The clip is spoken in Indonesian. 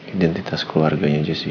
identitas keluarganya jessica